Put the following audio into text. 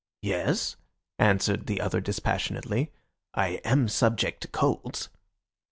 "Yes," answered the other dispassionately. "I am subject to colds."